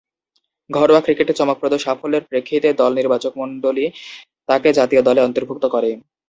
ঘরোয়া ক্রিকেটে চমকপ্রদ সাফল্যের প্রেক্ষিতে দল নির্বাচকমণ্ডলী তাকে জাতীয় দলে অন্তর্ভুক্ত করে।